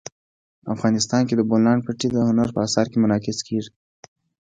افغانستان کې د بولان پټي د هنر په اثار کې منعکس کېږي.